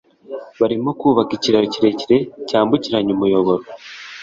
Barimo kubaka ikiraro kirekire cyambukiranya umuyoboro